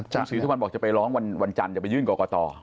คุณศรีสุวรรณบอกจะไปร้องวันจันทร์จะไปยื่นกรกต